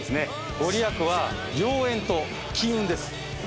御利益は良縁と金運です。